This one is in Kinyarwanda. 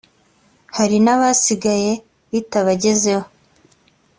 hari nabasigaye bitabagezeho